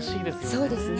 そうですね。